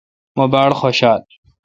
مہ باڑخوشال۔